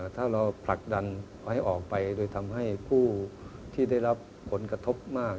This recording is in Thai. ถ้าเราผลักดันให้ออกไปโดยทำให้ผู้ที่ได้รับผลกระทบมาก